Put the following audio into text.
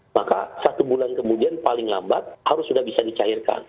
maka satu bulan kemudian paling lambat harus sudah bisa dicairkan